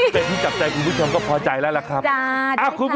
เป็นที่จับใจคุณผู้ชมก็พอใจแล้วล่ะครับ